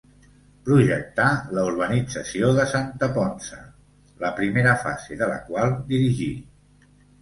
Projectà la urbanització de Santa Ponça, la primera fase de la qual dirigí.